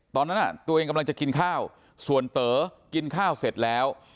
ตอนนั้นตัวเองกำลังจะกินข้าวส่วนเต๋อกินข้าวเสร็จแล้ว